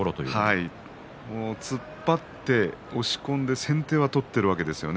突っ張って押し込んで先手を取っているわけですよね。